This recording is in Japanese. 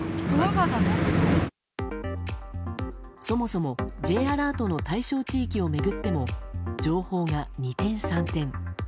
そもそもＪアラートの対象地域を巡っても情報が二転三転。